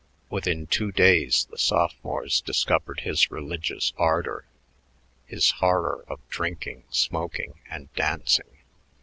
Within two days the sophomores discovered his religious ardor, his horror of drinking, smoking, and dancing.